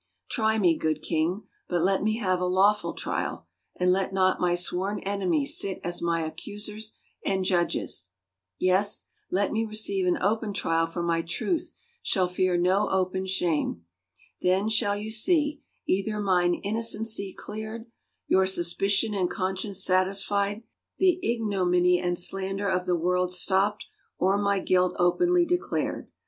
Try me, good king, but let me have a lawful trial, and let not my sworn enemies sit as my accusers and judges; yes, let me receive an open trial for my truth shall fear no open shame ; then shall you see, either mine innocency cleared, your suspicion and conscience satisfied, the ignominy and slander of the world stopped, or my guilt openly declared.